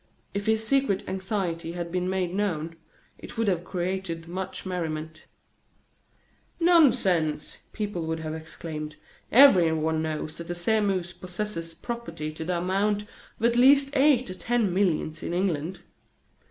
If his secret anxiety had been made known, it would have created much merriment. "Nonsense!" people would have exclaimed, "everyone knows that the Sairmeuse possesses property to the amount of at least eight or ten millions, in England."